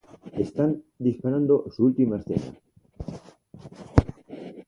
Están disparando su última escena.